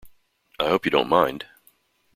I hope you don't mind.